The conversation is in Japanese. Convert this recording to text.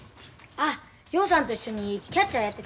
あっ陽さんと一緒にキャッチャーやってた人？